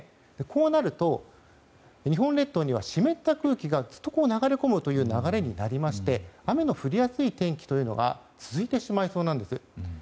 こうなると、日本列島には湿った空気がずっと流れ込むという流れになりまして雨の降りやすい天気というのが続いてしまいそうなんです。